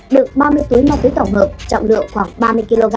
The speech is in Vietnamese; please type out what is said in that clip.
được ba mươi túi ma túy tổng hợp trọng lượng khoảng ba mươi kg